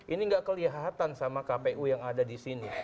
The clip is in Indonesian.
ini nggak kelihatan sama kpu yang ada di sini